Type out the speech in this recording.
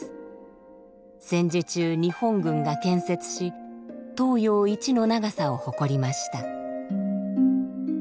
戦時中日本軍が建設し東洋一の長さを誇りました。